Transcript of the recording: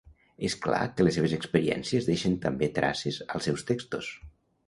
És clar que les seves experiències deixen també traces als seus textos.